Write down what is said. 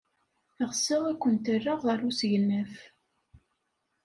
Ɣseɣ ad kent-rreɣ ɣer usegnaf.